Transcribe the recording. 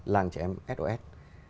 làng trẻ em sos